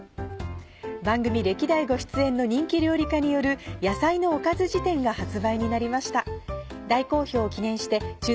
番組歴代ご出演の人気料理家による『野菜のおかず事典』が発売になりました。